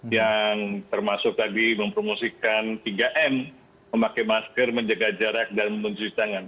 yang termasuk tadi mempromosikan tiga m memakai masker menjaga jarak dan mencuci tangan